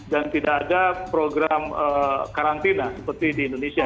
dan tidak ada program karantina seperti di indonesia